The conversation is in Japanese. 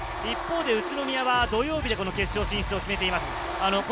宇都宮は土曜日で決勝進出を決めています。